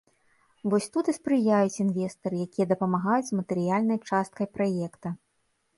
Вось тут і спрыяюць інвестары, якія дапамагаюць з матэрыяльнай частка праекта.